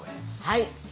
はい。